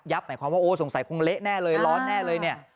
หมายความว่าโอ้สงสัยคงเละแน่เลยร้อนแน่เลยเนี่ย